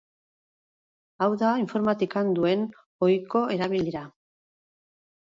Hau da informatikan duen ohiko erabilera.